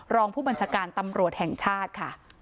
รองผู้บัญชาการตำรวจแห่งชาติค่ะ